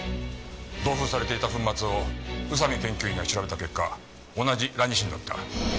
同封されていた粉末を宇佐見研究員が調べた結果同じラニシンだった。